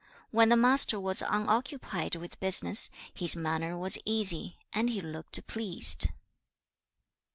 When the Master was unoccupied with business, his manner was easy, and he looked pleased.